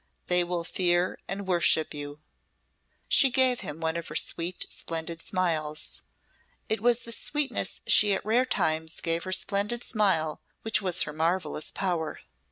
They will fear and worship you." She gave him one of her sweet, splendid smiles. It was the sweetness she at rare times gave her splendid smile which was her marvellous power.